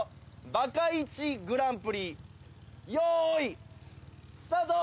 バカ−１グランプリよーいスタート！